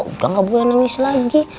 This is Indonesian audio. udah gak boleh nangis lagi